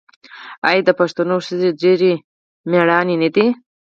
آیا د پښتنو ښځې ډیرې میړنۍ نه دي؟